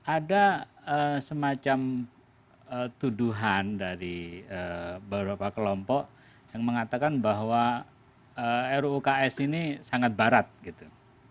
ada semacam tuduhan dari beberapa kelompok yang mengatakan bahwa ruuks ini sangat barat gitu